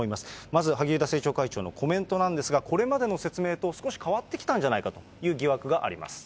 まず萩生田政調会長のコメントなんですが、これまでの説明と少し変わってきたんじゃないかという疑惑があります。